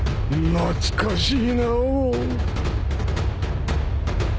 懐かしい？